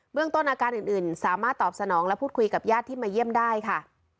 เรื่องต้นอาการอื่นสามารถตอบสนองและพูดคุยกับญาติที่มาเยี่ยมได้ค่ะ